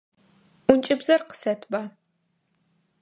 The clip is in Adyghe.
Ӏункӏыбзэр къысэтба.